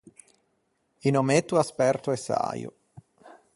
Un ommetto asperto e saio.